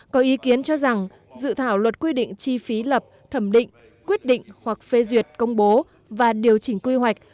có ý kiến cho rằng dự thảo luật quy định chi phí lập thẩm định quyết định hoặc phê duyệt công bố và điều chỉnh quy hoạch